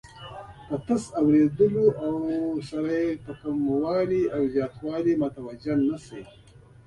په تش اوریدلو سره یې کموالي او زیاتوالي ته متوجه نه شي.